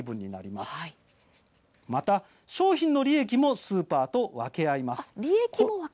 また商品の利益もスーパーと分け合います。